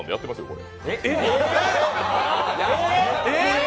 これ！？